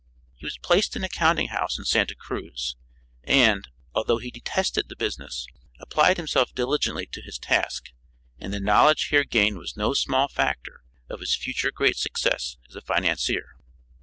He was placed in a counting house in Santa Cruz and, although he detested the business, applied himself diligently to his task and the knowledge here gained was no small factor of his future great success as a financier.